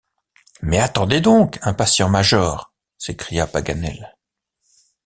Mais attendez donc, impatient major! s’écria Paganel.